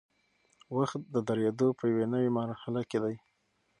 وخت د درېدو په یوې نوي مرحله کې دی.